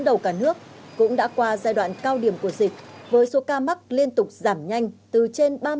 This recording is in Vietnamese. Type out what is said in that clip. đầu cả nước cũng đã qua giai đoạn cao điểm của dịch với số ca mắc liên tục giảm nhanh từ trên